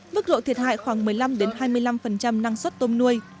mức độ thiệt hại khoảng một mươi năm hai mươi năm năng suất tôm nuôi